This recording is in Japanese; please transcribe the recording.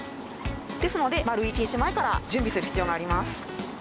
ですので丸１日前から準備する必要があります。